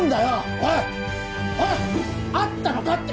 おいっおいっあったのかって